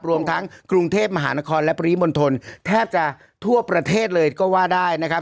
รวมทั้งกรุงเทพมหานครและปริมณฑลแทบจะทั่วประเทศเลยก็ว่าได้นะครับ